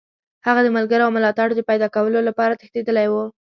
هغه د ملګرو او ملاتړو د پیداکولو لپاره تښتېدلی وو.